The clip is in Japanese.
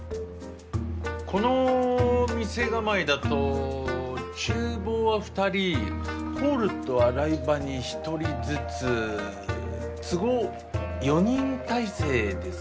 この店構えだと厨房は２人ホールと洗い場に１人ずつ都合４人体制ですか？